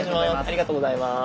ありがとうございます。